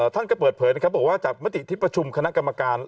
ท่านก็เปิดเผยนะครับบอกว่าจากมติที่ประชุมคณะกรรมการ